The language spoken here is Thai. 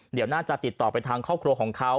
เดี๋ยวน่าจะติดต่อไปทางครอบครัวของเขา